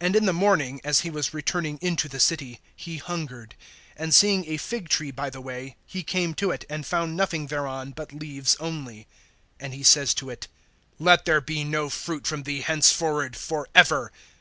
(18)And in the morning, as he was returning into the city, he hungered. (19)And seeing a fig tree by the way, he came to it, and found nothing thereon but leaves only. And he says to it: Let there be no fruit from thee henceforward, forever.